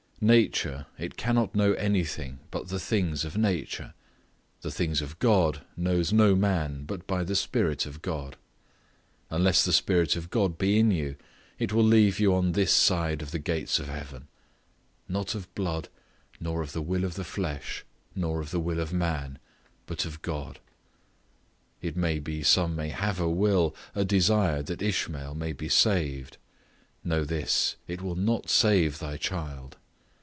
Nature, it cannot know anything but the things of nature; the things of God knows no man but by the Spirit of God; unless the Spirit of God be in you, it will leave you on this side the gates of heaven—"Not of blood, nor of the will of the flesh, nor of the will of man, but of God." It may be some may have a will, a desire that Ishmael may be saved; know this, it will not save thy child.